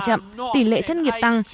chậm tỷ lệ thân nghiệp tăng